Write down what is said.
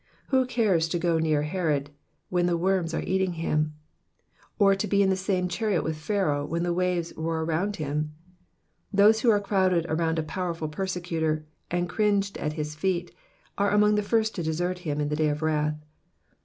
Who cares to go near to Herod when the worms are eating him ? or to be in the same chariot with Pharaoh when the waves roar round hmi ? Those who crowded around a powerful persecutor, and cringed at his feet, are among the first to desert him in the day of wrath.